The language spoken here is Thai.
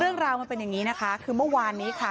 เรื่องราวมันเป็นอย่างนี้นะคะคือเมื่อวานนี้ค่ะ